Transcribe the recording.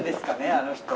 あの人。